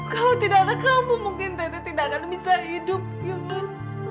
kalau tidak ada kamu mungkin tete tidak akan bisa hidup yun